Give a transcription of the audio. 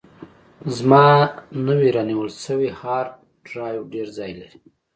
زما نوی رانیول شوی هارډ ډرایو ډېر ځای لري.